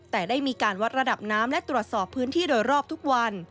แต่ได้มีการวัดระดับน้ำและตรวจสอบพื้นที่โดยรอบทุกวัน